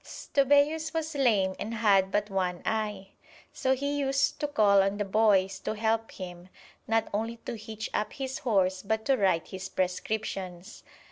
Stobæus was lame and had but one eye, so he used to call on the boys to help him, not only to hitch up his horse, but to write his prescriptions.